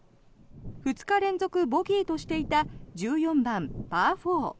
２日連続ボギーとしていた１４番パー４。